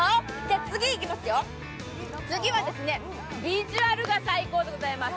次行きますよ、次はビジュアルが最高でございます。